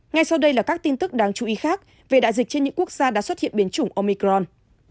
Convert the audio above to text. ngay sau đây là các tin tức đáng chú ý khác về đại dịch trên những quốc gia đã xuất hiện biến chủng omicron